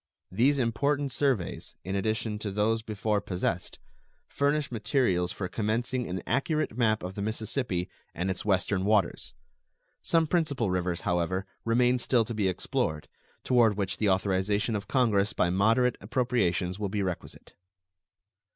These important surveys, in addition to those before possessed, furnish materials for commencing an accurate map of the Mississippi and its western waters. Some principal rivers, however, remain still to be explored, toward which the authorization of Congress by moderate appropriations will be requisite.